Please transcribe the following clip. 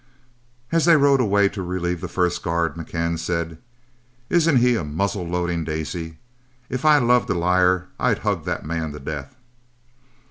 As they rode away to relieve the first guard, McCann said, "Isn't he a muzzle loading daisy? If I loved a liar I'd hug that man to death."